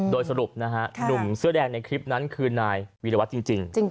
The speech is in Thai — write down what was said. โดยสรุปนะฮะหนุ่มเสื้อแดงในคลิปนั้นคือนายวีรวัตรจริง